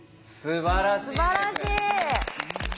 すばらしい！